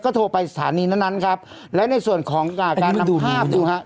โทรไปสถานีนั้นนั้นครับและในส่วนของอ่าการดูภาพดูฮะ